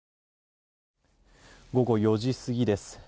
午後４時過ぎです。